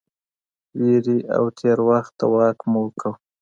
وېرې او تېر وخت ته واک مه ورکوه